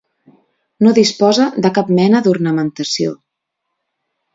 No disposa de cap mena d'ornamentació.